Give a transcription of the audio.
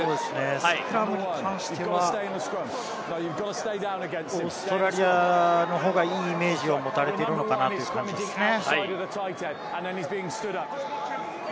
スクラムに関してはオーストラリアの方が、いいイメージを持たれているのかなという感じですね。